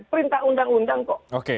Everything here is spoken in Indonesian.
perintah undang undang kok